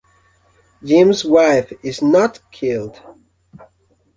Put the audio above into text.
Jim's wife is not killed.